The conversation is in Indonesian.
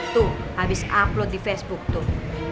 tuh habis upload di facebook tuh